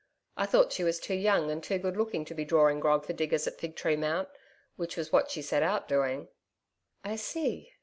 I thought she was too young and too good looking to be drawing grog for diggers at Fig Tree Mount which was what she set out doing.' 'I see....